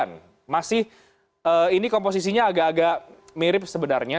dan masih ini komposisinya agak agak mirip sebenarnya